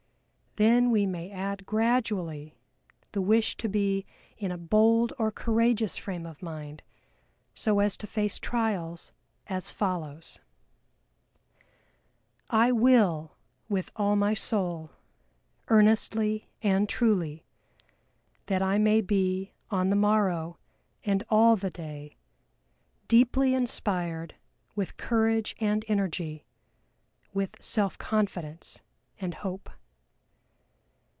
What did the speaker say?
Then we may add gradually the wish to be in a bold or courageous frame of mind, so as to face trials, as follows: "I will with all my soul, earnestly and truly, that I may be on the morrow and all the day deeply inspired with courage and energy, with self confidence and hope!